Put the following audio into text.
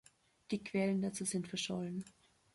Die Quellen dazu sind verschollen.